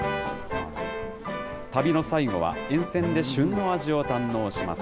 旅の最後は沿線で旬の味を堪能します。